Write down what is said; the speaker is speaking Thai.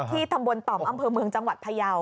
ตำบลต่อมอำเภอเมืองจังหวัดพยาว